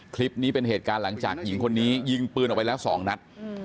คลิปนี้เป็นเหตุการณ์หลังจากหญิงคนนี้ยิงปืนออกไปแล้ว๒นัด